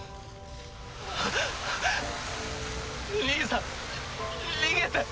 あっ兄さん逃げて。